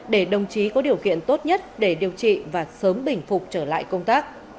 để đồng chí có điều kiện tốt nhất để điều trị và sớm bình phục trở lại công tác